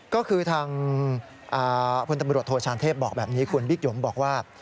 ก็คือทางพลตำรวจโทชานเทพบอกแบบนี้คุณบิ๊กหยมบอกว่า